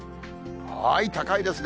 高いですね。